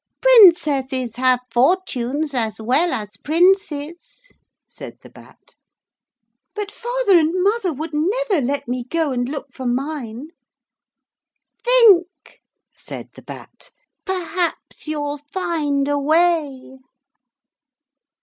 'Princesses have fortunes as well as princes,' said the Bat. 'But father and mother would never let me go and look for mine.' 'Think!' said the Bat, 'perhaps you'll find a way.'